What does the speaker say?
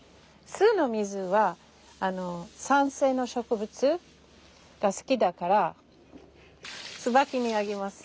酢の水は酸性の植物が好きだからツバキにあげます。